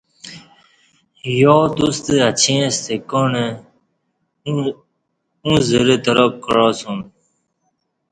یا توستہ اچیں ستہ کاݨ اوں زرہ تراک کعاسوم